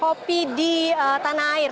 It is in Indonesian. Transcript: kopi di tanah air